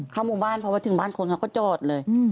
เข้าหมู่บ้านเพราะว่าถึงบ้านคนเขาก็จอดเลย